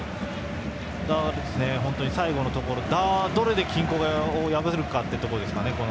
本当に最後のところどうやって均衡を破るかというところですね。